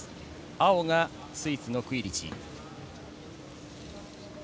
青がスイスのクイリチ。